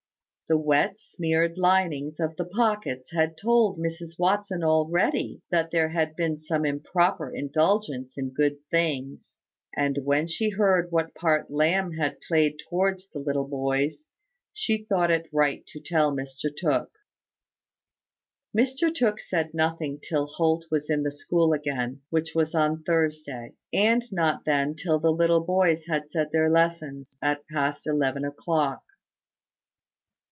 The wet, smeared lining of the pockets had told Mrs Watson already that there had been some improper indulgence in good things; and when she heard what part Lamb had played towards the little boys, she thought it right to tell Mr Tooke. Mr Tooke said nothing till Holt was in the school again, which was on Thursday; and not then till the little boys had said their lessons, at past eleven o'clock.